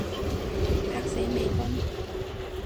嚇死美軍